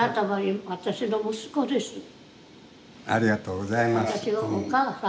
ありがとうございます。